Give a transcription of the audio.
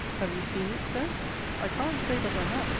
Have you seen it, Sir? I can't say but I have.